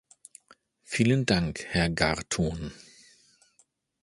Vielen Dank, Herr Gahrton.